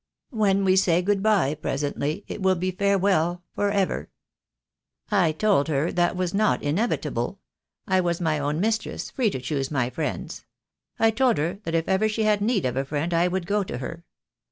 'When we say good bye presently, it will be farewell for ever.' I told her that was not in evitable. I was my own mistress, free to choose my friends. I told her that if ever she had need of a friend I would go to her.